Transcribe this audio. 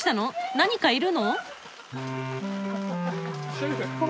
何かいるの？